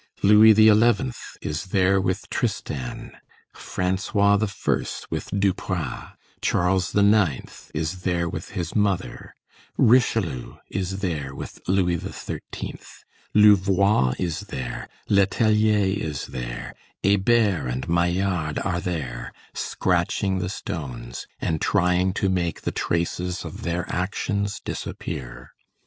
Louis XI. is there with Tristan, François I. with Duprat, Charles IX. is there with his mother, Richelieu is there with Louis XIII., Louvois is there, Letellier is there, Hébert and Maillard are there, scratching the stones, and trying to make the traces of their actions disappear.